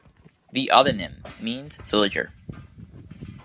The autonym means "villager".